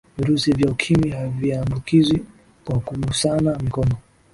virusi vya ukimwi haviambukizwi kwa kugusana mikono